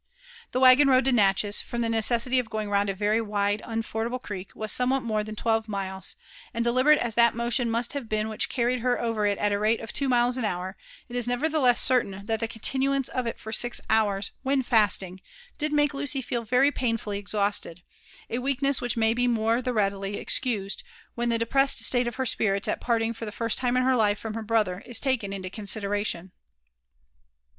The waggon road to Natchez, from the necessity of going round a very wide, unfordable creek, was somewhat more than twelve miles; and deliberate as that motion must have been which carried her over it at the rate of two miles an hour, it is nevertheless certain that the continuance of it for six hours, when fasting, did make Lucy feel very pain^ily exhausted ; a weakness which may be the more readily excused, when the depressed stale of her spirits at parting (br the first time in her life from her brother is taken into consideration.